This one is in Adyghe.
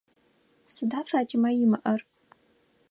Сыда Фатимэ имыӏэр?